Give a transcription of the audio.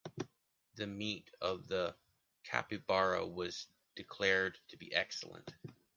The meat of the capybara was declared to be excellent.